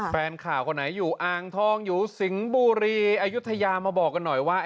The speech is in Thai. แฟนข่าวคนไหนอยู่อ่างทองอยู่สิงห์บุรีอายุทยามาบอกกันหน่อยว่า